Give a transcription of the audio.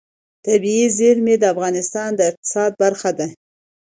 طبیعي زیرمې د افغانستان د اقتصاد برخه ده.